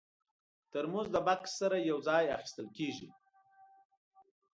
ترموز د بکس سره یو ځای اخیستل کېږي.